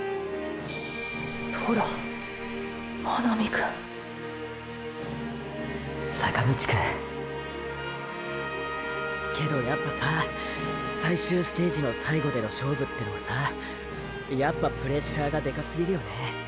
空――真波くん坂道くんけどやっぱさ最終ステージの最後での勝負てのはさやっぱプレッシャーがデカすぎるよね。